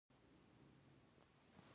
افغانستان د اسلامي تمدن برخه ده.